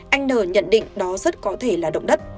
anh n nhận định đó rất có thể là động đất